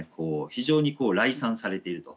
非常に礼賛されていると。